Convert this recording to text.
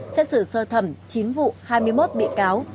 xét xử sơ thẩm chín vụ hai mươi một bị cáo